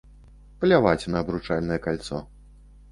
Пляваць на абручальнае кальцо!